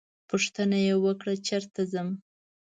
پوښتنه یې وکړه چېرته ځم.